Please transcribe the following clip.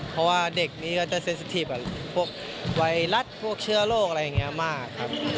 เพราะว่าเด็กนี้ก็เซนสิทีฟกับไวรัสโรคเชื้อมากครับ